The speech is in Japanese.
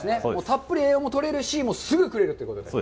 たっぷり栄養も取れるし、すぐ来れるということで。